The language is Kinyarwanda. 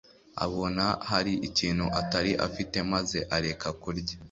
Abona hari ikintu atari afite maze areka kurya